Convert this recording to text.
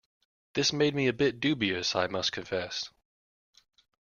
This made me a bit dubious, I must confess.